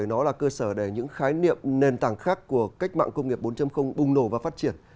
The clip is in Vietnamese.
nó là cơ sở để những khái niệm nền tảng khác của cách mạng công nghiệp bốn bùng nổ và phát triển